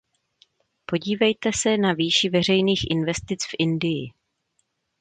Podívejte se na výši veřejných investic v Indii.